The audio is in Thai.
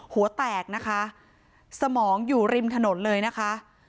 หัวแตกนะคะสมองอยู่ริมถนนเลยนะคะ